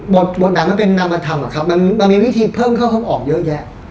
บทหนังมันเป็นนามธรรมอะครับมันมีวิธีเพิ่มเข้าห้องออกเยอะแยะ